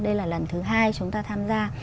đây là lần thứ hai chúng ta tham gia